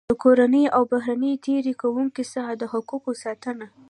د کورنیو او بهرنیو تېري کوونکو څخه د حقوقو ساتنه.